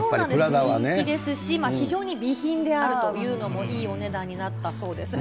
人気ですし、非常に美品であるというのもいいお値段になったそうです。